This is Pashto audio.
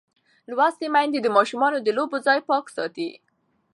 لوستې میندې د ماشومانو د لوبو ځای پاک ساتي.